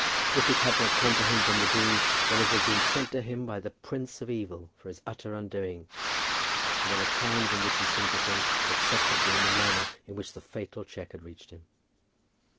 If it had not come to him from the dean, then it had been sent to him by the Prince of Evil for his utter undoing; and there were times in which he seemed to think that such had been the manner in which the fatal cheque had reached him.